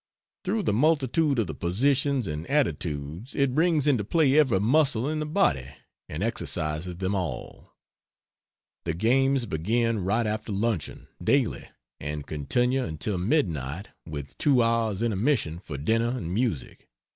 Through the multitude of the positions and attitudes it brings into play every muscle in the body and exercises them all. The games begin right after luncheon, daily, and continue until midnight, with 2 hours' intermission for dinner and music.